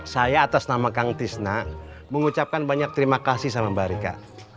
saya atas nama kang tisna mengucapkan banyak terima kasih sama mbak rika